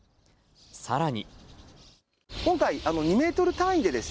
さらに。